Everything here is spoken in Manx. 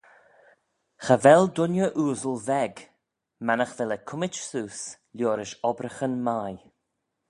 Cha vel dooinney ooasle veg, mannagh vel eh cummit seose liorish obraghyn mie.